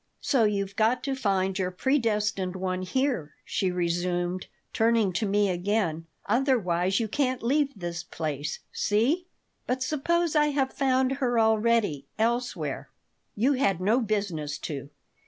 "So you've got to find your predestined one here," she resumed, turning to me again. "Otherwise you can't leave this place. See?" "But suppose I have found her already elsewhere?" "You had no business to.